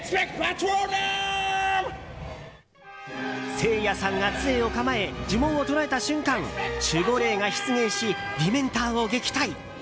せいやさんが杖を構え呪文を唱えた瞬間守護霊が出現しディメンターを撃退！